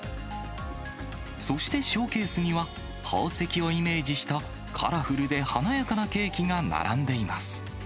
そしてショーケースには、宝石をイメージしたカラフルで華やかなケーキが並んでいます。